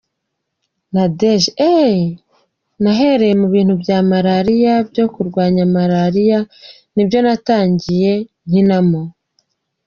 Nadege: eh, nahereye mu bintu bya Malaria, byo kurwanya Malaria, nibyo natangiye nkinamo.